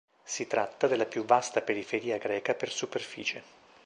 Si tratta della più vasta periferia greca per superficie.